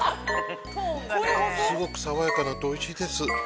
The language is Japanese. すごく爽やかで、おいしいです。